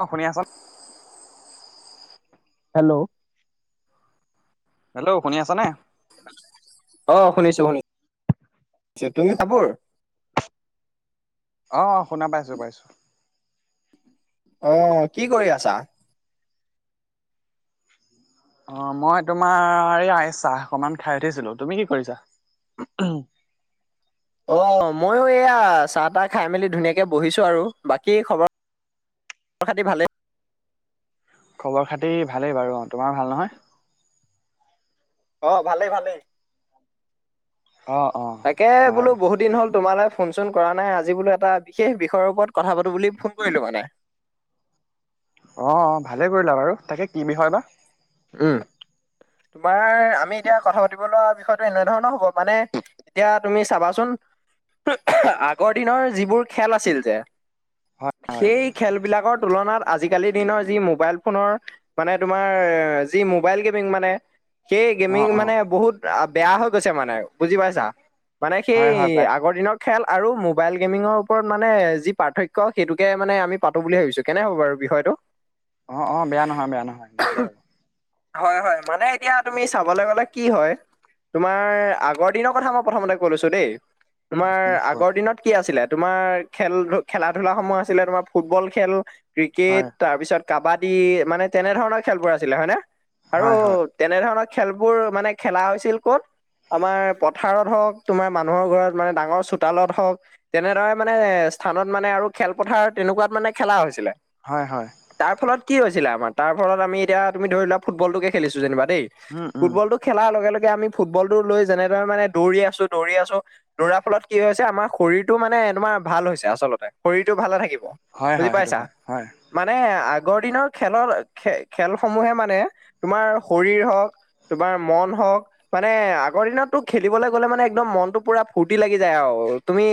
অ শুনি আছো hello hello শুনি আছা নে অ শুনিছো শুনিছো তুমি কাপোৰ অ শুনা পাইছো পাইছো অ কি কৰি আছা অ মই তোমাৰ এইয়া চাহ অকনমান খাই উঠিছিলো তুমি কি কৰিছা অ মইয়ো এইয়া চাহ তাহ খাই মেলি ধুনীয়াকে বহিছো আৰু বাকী খবৰ খবৰ খাতি ভাল খবৰ খাতি ভালেই বাৰু অ তোমাৰ ভাল নহয় অ ভালেই ভালেই অ অ তাকে বোলো বাৰু বহুত দিন হ'ল তোমাৰ লগত ফোন চোন কৰা নাই আজি বোলো এটা বিশেষ বিষয়ৰ ওপৰত কথা পাতো বুলি ফোন কৰিলো মানে অ ভালে কৰিলা বাৰু তাকে কি বিষয় বা উম তোমাৰ আমি এতিয়া কথা পাতিব লোৱা বিষয়টো এনেধৰণৰ হব মানে এতিয়া তুমি চাবাচোন আগৰ দিনৰ যিবোৰ খেল আছিল যে হয় হয় সেই খেলবিলাকৰ তুলনাত আজিকালিৰ দিনৰ যি মোবাইল ফোনৰ মানে তোমাৰ যি মোবাইল গেমিং মানে সেই অ গেমিং অ মানে বহুত বেয়া হৈ গৈছে মানে বুজি পাইছা মানে সেই হয় হয় পাই আগৰ দিনত খেল আৰু মোবাইল গেমিঙৰ ওপৰত মানে যি পাৰ্থক্য সেইটোকে মানে আমি পাতো বুলি ভাবিছো কেনে হব বাৰু বিষয়টো অ অ বেয়া নহয় বেয়া নহয় ভালেই হ'ব হয় হয় মানে এতিয়া তুমি চাবলৈ গ'লে কি হয় তোমাৰ আগৰ দিনৰ কথা মই প্ৰথমতে কৈ লৈছো দেই উম তোমাৰ উম কোৱা আগৰ দিনত কি আছিলে তোমাৰ খেল খেলা ধুলা সমূহ আছিলে তোমাৰ ফুটবল খেল হয় ক্ৰিকেট তাৰপিছত কাবাডী মানে তেনে ধৰণৰ খেলবোৰ আছিলে হয়নে আৰু হয় হয় তেনে ধৰণৰ খেলবোৰ মানে খেলা হৈছিল ক'ত আমাৰ পথাৰত হওক তোমাৰ মানুহৰ ঘৰত মানে ডাঙৰ চোতালত হওক তেনেদৰে মানে স্থানত মানে আৰু খেলপথাৰ তেনেকুৱাত মানে খেলা হৈছিলে হয় হয় তাৰ ফলত কি হৈছিলে আমাৰ তাৰ ফলত আমি এতিয়া তুমি ধৰি লোৱা ফুটবলটোকে খেলিছো যেনিবা দেই উম উম ফুটবলটো খেলাৰ লগে লগে আমি ফুটবল টো লৈ যেনেদৰে মানে দৌৰি আছো দৌৰি আছো দৌৰাৰ ফলত কি হৈছে আমাৰ শৰীৰটো মানে তোমাৰ ভাল হৈছে আচলতে শৰীৰটো ভালে থাকিব হয় বুজি হয় সেইটো পাইছা হয় হয় মানে আগৰ দিনৰ খেলৰ খে খেলসমূহে মানে তোমাৰ শৰীৰ হওক তোমাৰ মন হওক মানে আগৰ দিনততো খেলিবলে গ'লে মানে একদম মনতটো পুৰা ফূৰ্তি লাগি যায় আও তুমি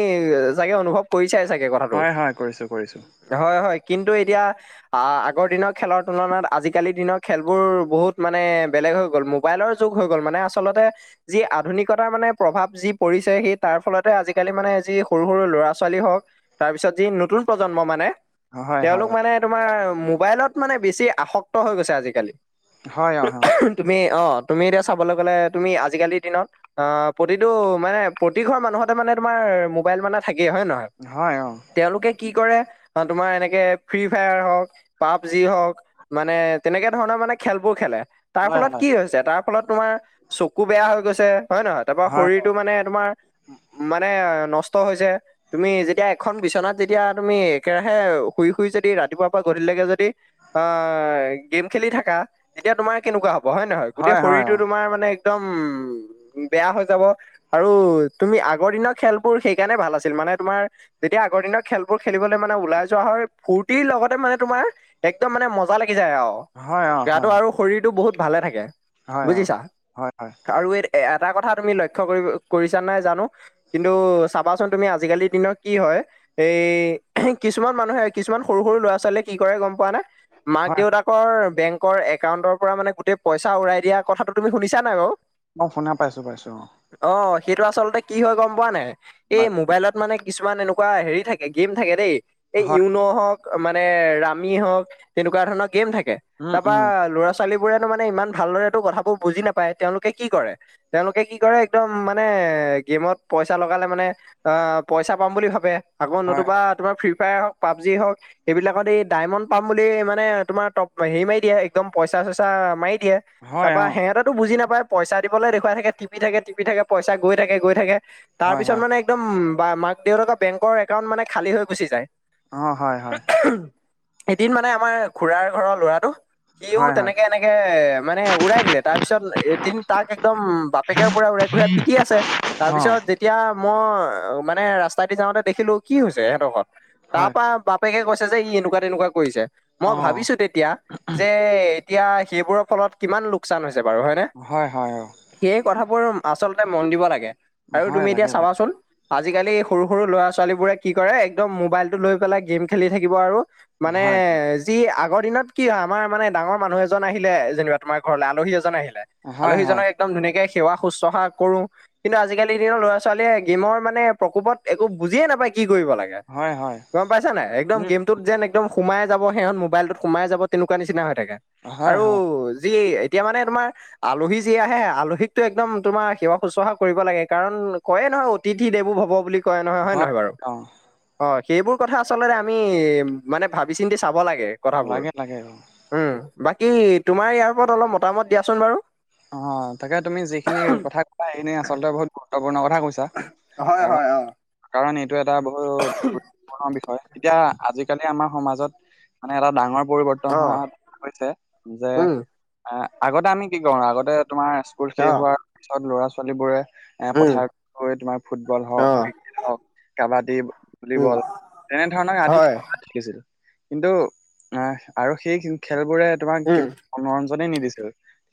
চাগে অনুভৱ কৰিছাই চাগে কথাটো হয় হয় কৰিছো কৰিছো হয় হয় কিন্তু এতিয়া আ আগৰ দিনৰ খেলৰ তুলনাত আজিকালি দিনৰ খেলবোৰ বহুত মানে বেলেগ হৈ গ'ল মোবাইলৰ যুগ হৈ গ'ল মানে আচলতে যি আধুনিকতাৰ মানে প্ৰভাৱ যি পৰিছে সেই তাৰ ফলতে আজিকালি মানে যি সৰু সৰু ল'ৰা ছোৱালী হওক তাৰপিছত যি নতুন প্ৰজন্ম মানে হয় হয় অ তেওঁলোক মানে তোমাৰ মোবাইলত মানে বেছি আসক্ত হৈ গৈছে আজিকালি হয় অঁ তুমি অঁ তুমি এতিয়া চাবলে গ'লে তুমি আজিকালিৰ দিনত অ প্ৰতিটো মানে প্ৰতি ঘৰৰ মানুহতে মানে তোমাৰ মোবাইল মানে থাকেই হয় নহয় হয় অ তেওঁলোকে কি কৰে তোমাৰ এনেকে ফ্ৰী ফায়াৰ হওক পাবজি হওক মানে তেনেকে ধৰণৰ মানে খেলবোৰ খেলে তাৰ হয় হয় ফলত কি হৈছে তাৰ ফলত তোমাৰ চকু বেয়া হৈ গৈছে হয় নহয় তা-পা হয় শৰীৰটো মানে তোমাৰ মানে নষ্ট হৈছে তুমি যেতিয়া এখন বিচনাত যেতিয়া তুমি একেৰাহে শুই শুই যদি ৰাতিপুৱাৰ পৰা গধূলিলেকে যদি আ-ই, গেম খেলি থাকা তেতিয়া তোমাৰ কেনেকুৱা হব, হয়, নহয় গোটেই হয় অ শৰীৰটো তোমাৰ মানে একদম বেয়া হৈ যাব আৰু তুমি আগৰ দিনৰ খেলবোৰ সেইকাৰণে ভাল আছিল মানে তোমাৰ যেতিয়া আগৰ দিনৰ খেলবোৰ খেলিবলে মানে ওলাই যোৱা হয় ফূৰ্তিৰ লগতে মানে তোমাৰ একদম মানে মজা লাগি যায় আও হয় অ হয় গাটো আৰু শৰীৰটো বহুত ভালে থাকে হয় অ বুজিছা হয় হয় আৰু এই এটা কথা তুমি লক্ষ্য কৰি কৰিছা নাই জানো কিন্তু চাবাচোন তুমি আজিকালিৰ দিনৰ কি হয় এই কিছুমান মানুহে কিছুমান সৰু সৰু ল'ৰা ছোৱালীয়ে কি কৰে গম পোৱা নে মাক হয় দেউতাকৰ বেংকৰ একাউণ্টৰ পৰা মানে গোটেই পইচা উৰাই দিয়া কথাটো তুমি শুনিছা নাই বাৰু মই শুনা পাইছো পাইছো অ অ সেইটো আচলতে কি হয় গম পোৱা নাই এই হয় মোবাইলত মানে কিছুমান এনেকুৱা হেৰি থাকে গেম থাকে দেই এই হয় ইউন' হওক মানে ৰামি হওক তেনেকুৱা ধৰণৰ গেম থাকে উম তা-পা উম ল'ৰা ছোৱালীবোৰেনো মানে ইমান ভালদৰে তো কথাবোৰ বুজি নাপায় তেওঁলোকে কি কৰে তেওঁলোকে কি কৰে একদম মানে গেমত পইচা লগালে মানে আহ পইচা পাম বুলি ভাবে আকৌ হয় নতুবা তোমাৰ ফ্ৰী ফায়াৰ হওক পাবজি হওক সেইবিলাকত এই ডায়মণ্ড পাম বুলি মানে তোমাৰ টপ হেৰি মাৰি দিয়ে একদম পইচ পইছা চইছা মাৰি দিয়ে হয় তা-পা অ সেহেঁতত তো বুজি নাপায় পইচা দিবলৈ দেখুৱাই থাকে টিপি থাকে টিপি থাকে পইচা গৈ থাকে গৈ থাকে তাৰ হয় পিছত হয় মানে একদম বা মাক দেউতাকৰ বেংকৰ একাউণ্ট মানে খালী হৈ গুচি যায় অ হয় হয় এদিন মানে আমাৰ খুৰাৰ ঘৰৰ ল'ৰাটো সিও হয় হয় তেনেকে এনেকে মানে উৰাই দিলে তাৰ পিছত এদিন তাক একদম বাপেকেও পূৰা উৰাই ঘূৰাই পিটি আছে অ তাৰপিছত যেত তেতিয়া মই মানে ৰাস্তাইদি যাওঁতে দেখিলো কি হৈছে হেঁতৰ ঘৰত হয় তা-পা বাপ বাপেকে কৈছে যে ই এনেকুৱা তেনেকুৱা কৰিছে মই অ ভাবিছো তেতিয়া যে এতিয়া সেইবোৰৰ ফলত কিমান লোকচান হৈছে বাৰু হয় নে। হয় হয় অঁ' সেই কথাবোৰ আচলতে মন দিব লাগে আৰু হয় তুমি এতিয়া লাগে লাগে চাবাচোন আজিকালি সৰু, সৰু, ল'ৰা, ছোৱালীবোৰে কি কৰে একদম মোবাইলতটো লৈ পেলাই গেম খেলি থাকিব আৰু। মানে হয় যি আগৰ দিনত কি হয় আমাৰ মানে ডাঙৰ মানুহ এজন আহিলে যেনিবা তোমাৰ ঘৰলে আলহী এজন আহিলে হয় হয় আলহীজনক একদম ধুনীয়াকে সেৱা শুশ্ৰূষা কৰোঁ। কিন্তু আজিকালিৰ দিনৰ ল'ৰা ছোৱালীয়ে গেমৰ মানে প্ৰকোপত একো বুজিয়ে নাপায়, কি কৰিব লাগে। হয় হয় কম। পাইছা নাই একদম উম গেমটোত যেন একদম সোমাই যাব সেহঁত মোবাইলটোত সোমাই যাব তেনেকুৱা নিচিনা হৈ থাকে। হয় আৰু হয় যি এতিয়া মানে তোমাৰ আলহী যি আহে, আলহীকতো একদম তোমাৰ সেৱা শুশ্ৰূষা কৰিব লাগে কাৰণ কয়ে নহয় অত অতিথি দেৱো ভৱ বুলি কয় নহয় হয় নে নহয় বাৰু। অঁ, সেইবোৰ কথা আচলতে আমি মানে ভাবি, চিন্তি চাব লাগে। কথাবোৰ লাগে, লাগে অঁ'। উম বাকী তোমাৰ ইয়াৰ ওপৰত অলপ মতামত দিয়াচোন বাৰু। অঁ তাকে তুমি যিখিনি কথা কোৱা সেইখিনি আচলতে বহুত গুৰুত্বপূৰ্ণ কথা কৈছা। হয় কাৰ হয় অ কাৰণ এইটো এটা বহুত গুৰুত্বপূৰ্ণ বিষয় এতিয়া আজিকালি আমাৰ সমাজত মানে এটা ডাঙৰ পৰিৱৰ্তন অ হোৱা হৈছে যে, উম এ, আগতে আমি কি কৰো আগতে তোমাৰ স্কুল শেষ অ হোৱাৰ পিছত ল'ৰা ছোৱালী বোৰে এ, উম পথাৰ বোৱে তোমাৰ ফুটবল হওক অ ক্ৰিকেট হওক কাবাডী উম ভলীবল, তেনে ধৰণৰ আদি হয় খেল কি ছিল কিন্তু আহ আৰু সেই খেলবোৰে তোমাক উম কিব মনোৰঞ্জনেই নিদিছিল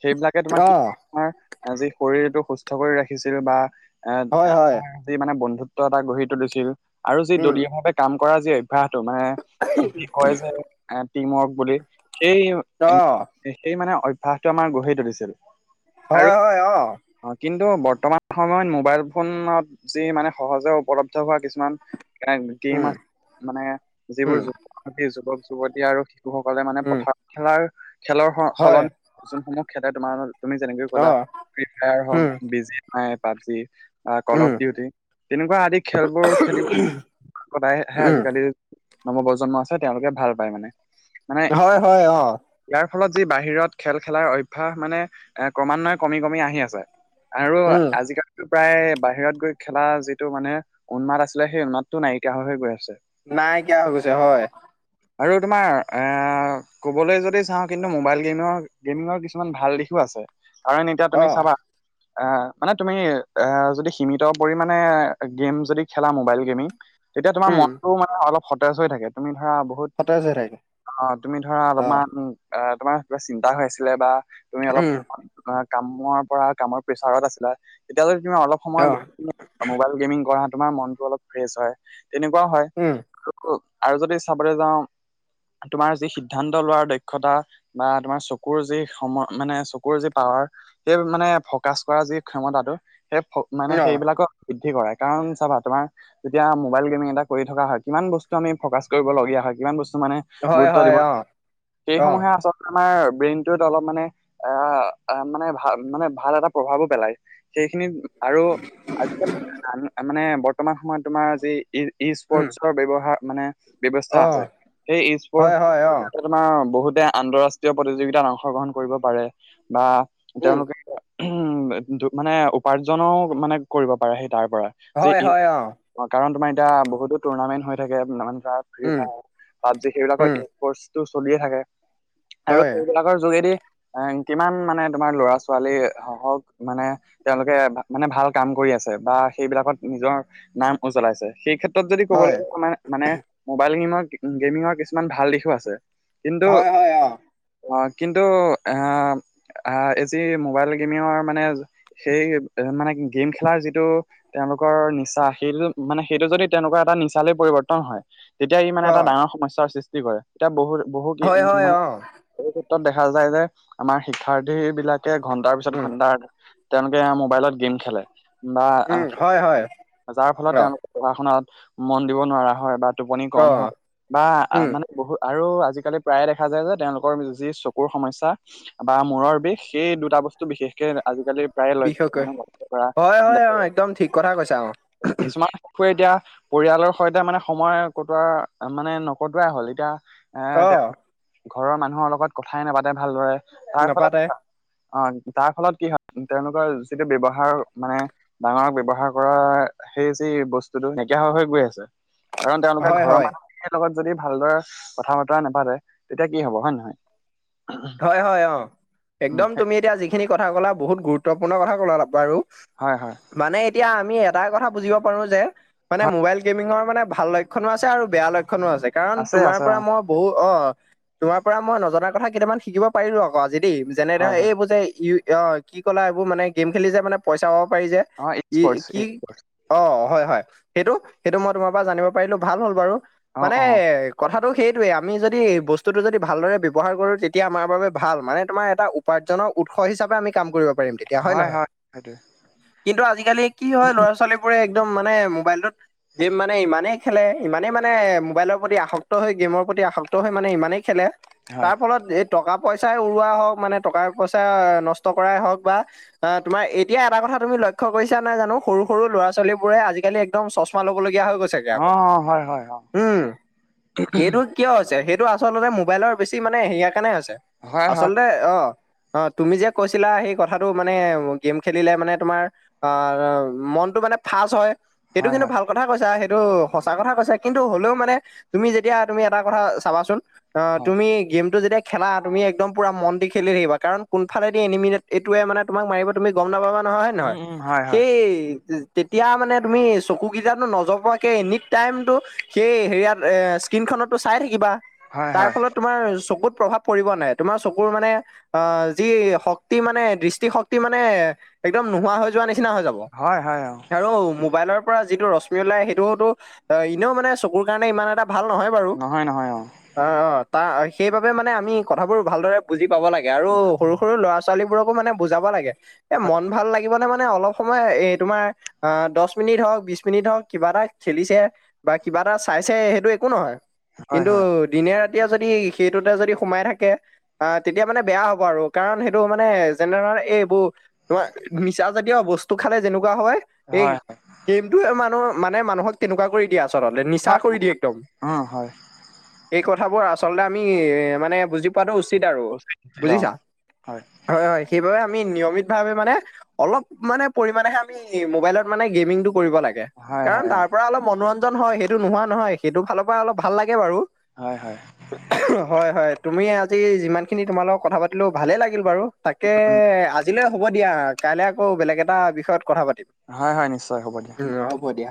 সেইবিলাকে তোমাক অ কি মাৰ যি শৰীৰটো সুস্থ কৰি ৰাখিছিল বা এ হয় হয় যি মানে বন্ধুত্ব এটা গঢ়ি তুলিছিল আৰু যি উম দলীয় ভাৱে কাম কৰা যি অভ্যাসটো মানে কয় যে টিম ৱৰ্ক বুলি সেই অ সেই মানে অভ্যাসটো আমাৰ গঢ়ি তুলিছিল। হয় হয়। অ অঁ কিন্তু বৰ্তমান সময়ত মোবাইল ফোনত- যি মানে সহজে উপলব্ধ হোৱা কিছুমান এ গেম উম আছে মানে যিবোৰ উম যুৱ যুৱক যুৱতী আৰু শিশুসকলে মানে উম পথাৰ খেলাৰ, খেলৰ স, হয় সলনি যোনসমূহ খেলে তোমাৰ। তুমি যেনেকৈ অ ক'লা ফ্ৰী ফায় হওক, উম বিজিমাই, PUBG, Call of um Duty. তেনেকুৱা আদি খেলবোৰ খেলিম সদায় আহে উম আজিকালি নৱপ্ৰজন্ম আছে তেওঁলোকে ভাল পায় মানে। মানে হয়, হয়, অঁ'। ইয়াৰ ফলত যি বাহিৰত খেল খেলাৰ অভ্যাস মানে এ ক্ৰমান্বয়ে কমি কমি আহি আছে। আৰু উম আজিকালি- প্ৰায় বাহিৰত গৈ খেলা যিটো মানে উন্মাদ আছিলে, সেই উন্মাদটো নাইকিয়া হৈ হৈ গৈ আছে। নাইকিয়া হৈ গৈছে, হয়। আৰু তোমাৰ এ, ক'বলৈ যদি চাওঁ কিন্তু মোবাইল গেমৰ, গেমিঙৰ কিছ কিছুমান ভাল দিশো আছে কাৰণ এতিয়া অ তুমি চাবা অঁ, মানে তুমি অঁহ যদি সীমিত পৰিমানে গেম যদি খেলা। মোবাইল গেমিং তেতিয়া তোমাৰ উম মনতটো মানে অলপ সতেজ হৈ থাকে তুমি ধৰা। বহুত সতেজ হৈ থাকে অ' তুমি ধৰা অ অলপমান তোমাৰ চিন্তা হৈ আছিলে বা। তুমি অলপ উম কামৰ পৰা, কামৰ প্ৰেছাৰত আছিলা তেতিয়লে তুমি অলপ অ সময় মোবাইল গেমিং কৰা তোমাৰ মনতটো অলপ ফ্ৰে হয়। তেনেকুৱাও হয়। উম। আৰু যদি চাবলৈ যাওঁ তোমাৰ যি সিদ্ধান্ত লোৱাৰ দক্ষতা বা তোমাৰ চকুৰ যি সম মানে চকুৰ যি পাৱাৰ সেই মানে ফকাচ কৰা যি ক্ষমতাটো সেই- মানে অ সেইবিলাকক বৃদ্ধি কৰে কাৰণ চাবা তোমাৰ- তেতিয়া মোবাইল গেমিং এটা কৰি থকা হয়। কিমান বস্তু আমি ফকাচ কৰিবলগীয়া হয় কিমান বস্তু মানে- হয় গুৰুত্ব হয় দিব, অ অ সেইসমূহে আচলতে আমাৰ ব্ৰেইনটোত অলপ মানে অ মানে ভাল মানে ভাল এটা প্ৰভাৱো পেলাই। সেইখিনিত আৰু আজিকালি মানে বৰ্তমান সময়ত তোমাৰ যি ই ই উম স্পৰ্টচৰ ব্যৱহাৰ মানে ব্যৱস্থা অ আছে। সেই হয় হয় অ স্পটচৰ তোমাৰ বহুতে আন্তঃৰাষ্ট্ৰীয় প্ৰতিযোগিতা অ অংশগ্ৰহণ কৰিব পাৰে। বা উম তেওঁলোকে- উম কিন্তু মানে উপাৰ্জনো মানে কৰিব পাৰে সে তাৰ পৰা। হয় হয়। অ অ', কাৰণ তোমাৰ এতিয়া বহুতো টুৰ্ণামেণ্ট হৈ থাকে, মানে ধৰা ফ্ৰী উম ফায়াৰ, পাবজি সেইবিলাকৰ উম কৰ্চটো চলিয়ে থাকে। আৰু হয় এইবিলাক যোগেদি এ' কিমান মানে তোমাৰ লৰা ছোৱালীহ'হক মানে তেওঁলোকে মানে ভাল কাম কৰি আছে বা সেইবিলাকত নিজৰ নাম উজ্বলাইছে সেই ক্ষেত্ৰত- যদি ক'বলৈ হয় একো নাই মানে মোবাইল গেৰ গেমিঙৰ কিছুমান ভাল দিশো আছে। কিন্তু হয় হয় অ অ কিন্তু আহ- আহ এইজি মোবাইল গেমিঙৰ মানে সেই মানে গেম খেলাৰ যিটো তেওঁলোকৰ নিচা সেইটো মানে সেইটো যদি তেওঁলোকৰ এটা নিচালৈ পৰিৱৰ্তন হয়। তেতিয়া ই মানে অ এটা ডাঙৰ সমস্যাৰ সৃষ্টি কৰে। এতিয়া বহুত বহু কি উ হয় হয় মানে অ বহুতো ত, দেখা যায়। যে আমাৰ শিক্ষাৰ্থী বিলাকে ঘন্টাৰ পিছত উম ঘন্টা তেওঁলোকে মোবাইলত গেম খেলে বা উম আহ হয় হয় যাৰ ফলত অ তেওঁলোকে পঢ়া, শনাত মন দিব নোৱাৰা হয় বা টোপনি অ কম হয়। বা উম মানে বহুত আৰু আজিকালি প্ৰায়ে দেখা যায় যে তেওঁলোকৰ যি চকুৰ সমস্যা বা মূৰৰ বিষ সেই দুটা বস্তু বিশেষকে আজিকালি প্ৰায় লক্ষ্য বিশেষকৈ মানে লক্ষ্য কৰা হয় হয় দেখা অ যায়। একদম ঠিক কথা কৈছা অ কিছুমান শিশুৱে এতিয়া। পৰিয়ালৰ সৈতে মানে সময় কটোৱা, মানে নকটোৱাই হ'ল, এতিয়া এ অ তেওঁ ঘৰৰ মানুহৰ লগত কথাই নাপাতে ভালদৰে তাৰ ফলত নাপাতে কিবা অ তাৰ ফলত কি হয় তেওঁলোকৰ যিটো ব্যৱহাৰ মানে ডাঙৰক ব্যৱহাৰ কৰা সেই যি বস্তুটো নাইকিয়া হৈ হৈ গৈ আছে। কাৰণ তেওঁলোকে হয় ঘৰৰ হয় মানুহখিনিৰ লগত যদি ভালদৰে কথা বতৰা নাপাতে তেতিয়া কি হব। হয় নে নহয়? হয় হয়। অ উম, একদম সেই তুমি এতিয়া যিখিনি কথা কলা বহুত গুৰুত্বপূৰ্ণ কথা কলা বাৰু হয় হয়। মানে এতিয়া আমি এটাই কথা বুজিব পাৰো। যে মানে হয় মোবাইল গেমিঙৰ মানে ভাল লক্ষ্য লক্ষ্যণো আছে আৰু বেয়া লক্ষ্যণো আছে। কাৰণ তোমাৰ আছে পৰা অ' মই বহু, অ', তোমাৰ পৰা মই নজনা কথা কেইটামান শিকিব পাৰিলো আকৌ আজি দেই। যেনে হয় ধৰে হয় এইবোৰ যে ইউ অ' কি ক'লা এইবোৰ মানে গেম খেলি যে মানে পইচা হ'ব পাৰি যে। অ' ই কি স্পৰ্টছ কি? অ' হয়, হয়, সেইটো সেইটো মই তোমাৰ পৰা জানিব পাৰিলো ভাল হ'ল বাৰু। অ' মানে অ' কথাটো সেইটোৱে। আমি যদি বস্তুটো যদি ভালদৰে ব্যৱহাৰ কৰো, তে- তিয়া আমাৰ বাবে ভাল। মানে তোমাৰ এটা উপাৰ্জনৰ উৎস হিচাপে আমি কাম কৰিব- পাৰিম তেতিয়া হয় নহয়। কিন্তু আজিকালি কি হয় ল'ৰা- ছোৱালীবো মোৰ একদম মানে মোবাইলটোত- গেম মানে ইমানেই খেলে ইমানেই মানে মোবাইলৰ প্ৰতি আসক্ত হৈ গেমৰ প্ৰতি আসক্ত হৈ মানে ইমানেই খেলে। হয় তাৰ ফলত, এই টকা পইচাই উৰুৱাই হওক মানে টকা পইচা নষ্ট কৰাই হওক বা- আঁহ তোমাৰ এতিয়া এটা কথা তুমি লক্ষ্য কৰিছা নাই জানো সৰু সৰু ল'ৰা-ছোৱালী বোৰে আজিকালি- একদম চশমা ল'বলগীয়া হৈ গৈছেগে আকৌ। অ' অ' হয় হয় অ' উমঁ সেইটো- কিয় হৈছে সেইটো আচলতে মোবাইলৰ বেছি মানে হেৰিয়াৰ কাৰণে আছে হয় হয় আচলতে- অ' অ', তুমি যে কৈছিলা সেই কথাটো মানে গেম খেলিলে মানে তোমাৰ- আহ মনটো মানে ফাৰষ্ট্ৰ হয়। সেইটো হয় কিন্তু হয় ভাল- কথা কৈছা, সেইটো সঁচা কথা কৈছা, কিন্তু হলেও মানে তুমি যেতিয়া তুমি এটা কথা চাবাচোন- অ হয় তুমি গেমটো যেতিয়া- খেলা তুমি একদম পুৰা মন দি খেলি থাকিবা কাৰণ কোনফালেদি এনিমিনেট এইটোৱে মানে তোমাক মাৰিব- তুমি গম নাপাবা নহয় হয় উম নহয়। উম হয় হয় সেই- তেতিয়া মানে তুমি চকু কেইটা নজপোৱাকে এনি টাইমটো সেই হেৰিয়াত এ- টিনখনতো চাই থাকিবা হয় তাৰ হয় ফলত তোমাৰ চকুত প্ৰভাৱ পৰিব নে নাই, তোমাৰ চকুৰ মানে অ যি শক্তি মানে দৃষ্টি শক্তি মানে একদম নোহোৱা হৈ যোৱা নিচিনা হৈ যাব। হয় হয় অ' আৰু মোবাইলৰ পৰা যিটো ৰশ্মি ওলাই সেইটোতো অ এনেও মানে চকুৰ কাৰণে ইমান এটা ভাল নহয়। বাৰু। নহয়', নহয়', অ',। অ অ তাৰ সেইবাবে মানে আমি কথাবোৰ ভালদৰে বুজি পাব লাগে। আৰু সৰু সৰু ল'ৰা- ছোৱালীবোৰকো মানে বুজাব লাগে। এ মন ভাল লাগিব নে মানে অলপ- সময় এ তোমাৰ আঁহ দহ মিনিট হওঁক বিশ মিনিট হওঁক কিবা এটা খেলিছে। বা কিবা এটা চাইছে সেইটো একো নহয়, হয় কিন্তু হয় দিনে ৰাতিয়ে যদি সেইটোতে যদি- সোমাই থাকে আঁহ তেতিয়া মানে বেয়া হ'ব আৰু কাৰণ সেইটো মানে যেনে ধৰ এই এইবোৰ- তোমাৰ নিচা জাতীয় বস্তু খালে যেনেকুৱা হয় এই হয় হয় গেমটোয়ে মানুহ মানে মানুহক কেনেকুৱা কৰি দিয়া আৰু। আচলতে নিচা হয় কৰি দিয়ে একদম। উম হয় এই কথাবোৰ আচলতে আমি এ মানে বুজি- পোৱাটো উচিত আৰু উচিত উচিত অ' বুজিছা। হয় হয় সেইবাবে আমি নিয়মিত ভাৱে মানে- অলপ মানে পৰিমানেহে আমি মোবাইলত মানে গেমিং টো কৰিব লাগে। হয় হয় কাৰণ অ তাৰ পৰা অলপ মনোৰঞ্জন হয় সেইটো নোহোৱা নহয় সেইটো ফালৰ পৰা অলপ ভাল লাগে বাৰু। হয়', হয়',। হয় হয় তুমি আজি যিমানখিনি তোমাৰ লগত কথা পাতিলো ভালেই লাগিল বাৰু। তাকে আজিলৈ হ'ব দিয়া, কাইলে আকৌ বেলেগ এটা বিষয়ত কথা পাতিম। হয়', হয়', নিশ্চয় হ'ব দিয়া। উমঁ হ'ব দিয়া।